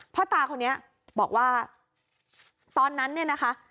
พ่อตาคนนี้บอกว่าตอนนั้นเนี่ยนะคะ